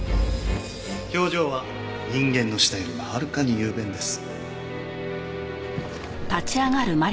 表情は人間の舌よりもはるかに雄弁です。